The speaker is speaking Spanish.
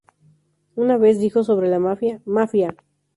Una vez dijo sobre la Mafia: "¡Mafia!